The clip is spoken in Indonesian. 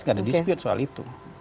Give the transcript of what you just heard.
tidak ada dispute soal itu